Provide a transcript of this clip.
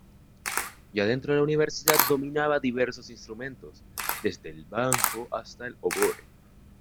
Ya dentro de la Universidad dominaba diversos instrumentos, desde el banjo hasta el oboe.